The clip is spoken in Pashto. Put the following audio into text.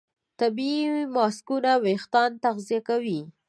طبیعي ماسکونه وېښتيان تغذیه کوي.